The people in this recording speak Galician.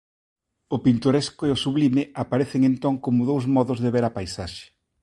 O pintoresco e o sublime aparecen entón como dous modos de ver a paisaxe.